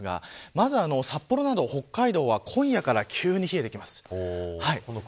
まず、札幌など北海道は今夜から急に冷えてきます。